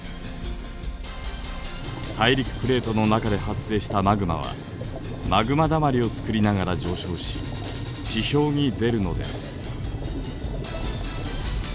大陸プレートの中で発生したマグマはマグマだまりをつくりながら上昇し地表に出るのです。